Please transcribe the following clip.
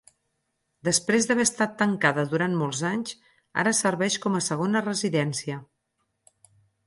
Després d'haver estat tancada durant molts anys ara serveix com a segona residència.